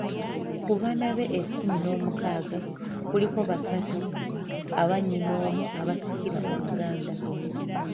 Ku baana be ekkumi n'omukaaga, kuliko basatu abannyinnoomu abaasikira Obuganda.